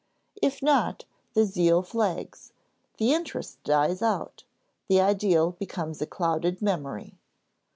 If not, the zeal flags, the interest dies out, the ideal becomes a clouded memory.